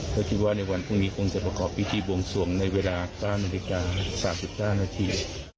เค้าคิดว่าในวันพรุ่งนี้คงจะประกอบพิธีวงสวงในเวลา๓๙นาที